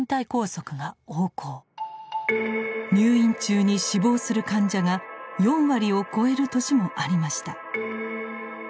入院中に死亡する患者が４割を超える年もありました。